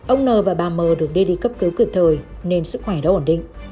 ông n và bà m được đê đi cấp cứu cực thời nên sức khỏe đã ổn định